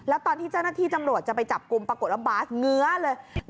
แล้วตอนที่เจ้านักที่ทำโรทจะไปจับกลุ่มปรากฏแล้วบาสเงียวเลย